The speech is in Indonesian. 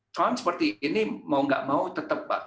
transporti ini mau nggak mau tetap pak